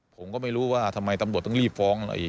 ผมก็ไม่รู้ว่าทำไมตำรวจต้องรีบฟ้องอะไร